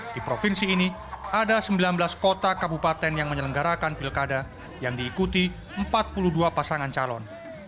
di provinsi ini ada sembilan belas kota kabupaten yang menyelenggarakan pilkada yang diikuti empat puluh dua pasangan calon